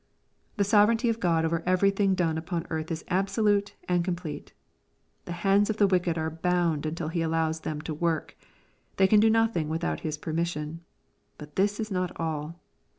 The sovereignty of God over everything done upon earth is absolute and complete. The hands of the wicked are bound until He allows them to work. They can do nothing without His permission. — But this is not all.